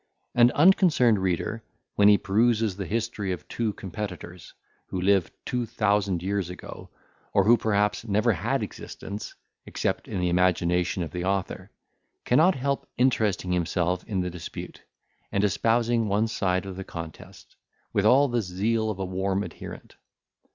An unconcerned reader, when he peruses the history of two competitors, who lived two thousand years ago, or who perhaps never had existence, except in the imagination of the author, cannot help interesting himself in the dispute, and espousing one side of the contest, with all the zeal of a warm adherent.